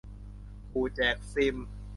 ขู่แจกซิม